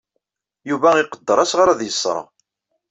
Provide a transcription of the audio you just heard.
Yuba iqedder asɣar ad yesserɣ.